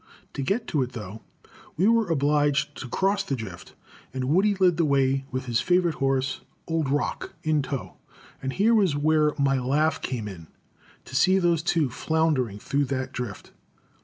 To get to it, though, we were obliged to cross the drift, and Woody led the way with his favorite horse, old Rock, in tow; and here was where my laugh came in, to see those two floundering through that drift.